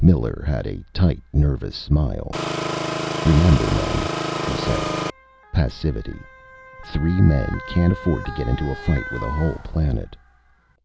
Miller had a tight, nervous smile. "Remember, men," he said. "Passivity. Three men can't afford to get into a fight with a whole planet."